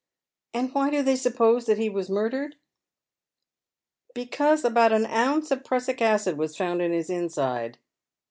" And why do they suppose that he was murdered ?"" Because about an ounce of prussic acid was found in hia inside.